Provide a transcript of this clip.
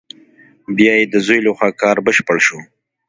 بیا یې د زوی له خوا کار بشپړ شو.